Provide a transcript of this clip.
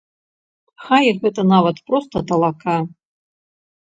Хай гэта нават проста талака.